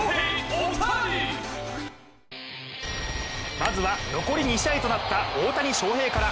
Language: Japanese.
まずは残り２試合となった大谷翔平から。